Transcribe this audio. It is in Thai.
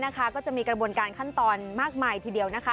ก็จะมีกระบวนการขั้นตอนที่ดีล้ว